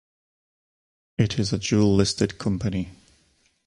It is a dual-listed company.